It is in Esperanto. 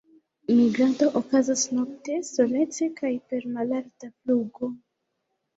Migrado okazas nokte, solece kaj per malalta flugo.